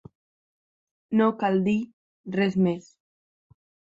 No cal dir res més.